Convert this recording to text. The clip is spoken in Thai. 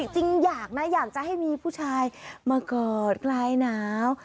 จริงอยากนะอยากจะให้มีผู้ชายมากอดคลายหนาว